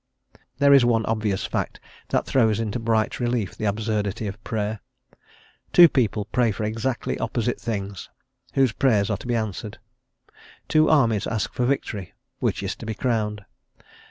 There is one obvious fact that throws into bright relief the absurdity of Prayer. Two people pray for exactly opposite things; whose Prayers are to be answered? Two armies ask for victory; which is to be crowned?